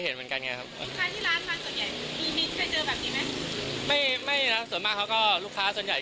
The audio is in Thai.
เขาก็เลยแบบทำอะไรฮามากกว่าอะไรอย่างเงี้ย